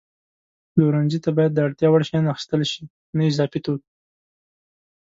پلورنځي ته باید د اړتیا وړ شیان اخیستل شي، نه اضافي توکي.